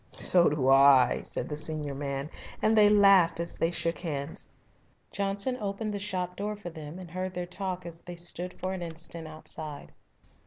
"So do I," said the senior man, and they laughed as they shook hands. Johnson opened the shop door for them and heard their talk as they stood for an instant outside.